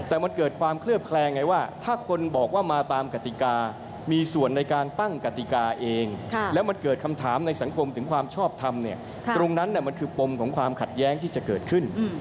แต่มันเกิดความเคลือบแคลงไงว่าถ้าคนบอกว่ามาตามกติกามีส่วนในการตั้งกติกาเองแล้วมันเกิดคำถามในสังคมถึงความชอบทำเนี่ยตรงนั้นมันคือปมของความขัดแย้งที่จะเกิดขึ้น